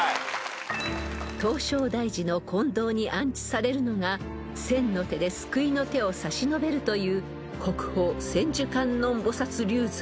［唐招提寺の金堂に安置されるのが千の手で救いの手を差し伸べるという国宝千手観音菩薩立像］